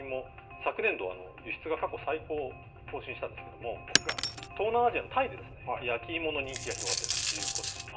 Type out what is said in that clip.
昨年度、輸出が過去最高を更新したんですけれども、東南アジアのタイで、焼き芋の人気が広がっているということです。